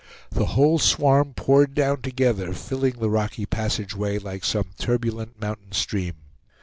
The whole swarm poured down together, filling the rocky passageway like some turbulent mountain stream.